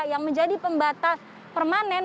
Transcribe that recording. yang menjadi pembatas permanen